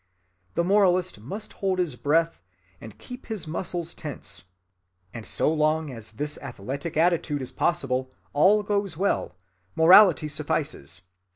The moralist must hold his breath and keep his muscles tense; and so long as this athletic attitude is possible all goes well—morality suffices.